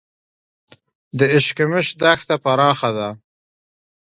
د اشکمش دښته پراخه ده